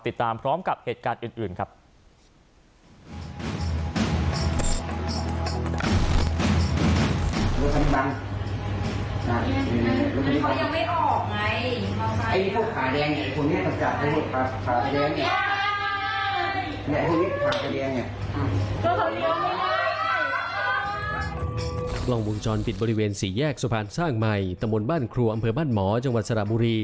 ติดตามพร้อมกับเหตุการณ์อื่นครับ